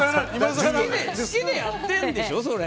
好きでやってんでしょ？